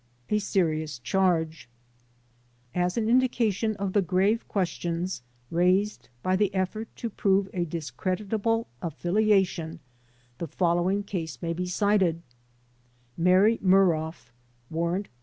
A Serious Charge As an indication of the grave questions raised by the effort to prove a discreditable affiliation the following case may be cited: Mary Muroff (Warrant No.